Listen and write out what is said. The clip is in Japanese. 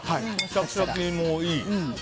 シャキシャキもいい。